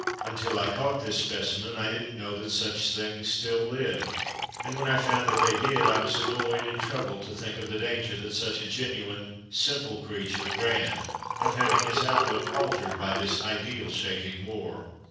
Until I caught this specimen, I didn't know that such things still lived, and when I found that they did, I was annoyed and troubled to think of the danger that such a genuine, simple creature ran, of having his outlook altered by this ideal shaking war.